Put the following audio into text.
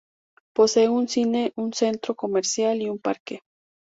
Posee un cine, un centro comercial y un parque.